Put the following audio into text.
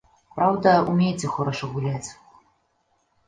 Праўда, умееце хораша гуляць.